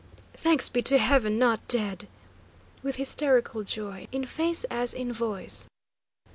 "Thanks be to heaven, not dead!" with hysterical joy in face as in voice.